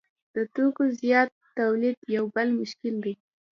د توکو زیات تولید یو بل مشکل دی